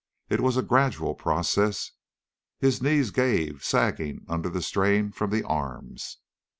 It was a gradual process. His knees gave, sagging under the strain from the arms.